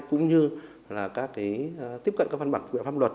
cũng như tiếp cận các văn bản pháp luật